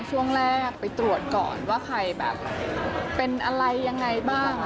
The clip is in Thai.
ช่วงแรกไปตรวจก่อนว่าใครแบบเป็นอะไรยังไงบ้าง